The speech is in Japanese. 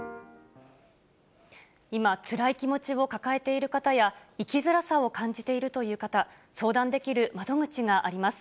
今、つらい気持ちを抱えている方や生きづらさを感じているという方相談できる窓口があります。